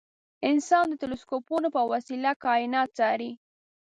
انسان د تلسکوپونو په وسیله کاینات څاري.